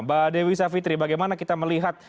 mbak dewi savitri bagaimana kita melihat